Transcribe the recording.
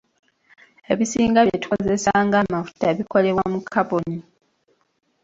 Ebisinga bye tukozesa ng'amafuta bikolebwa mu kaboni.